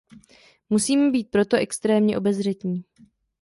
Musíme být proto extrémně obezřetní.